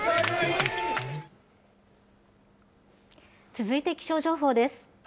続いて気象情報です。